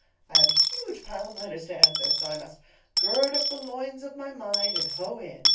I have a huge pile of letters to answer, so I must gird up the loins of my mind and hoe in.